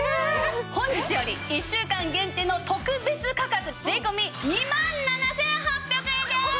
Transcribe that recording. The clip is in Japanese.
本日より１週間限定の特別価格税込２万７８００円です。